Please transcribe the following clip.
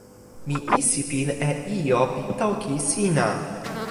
mi isipin e ijo pi toki sina.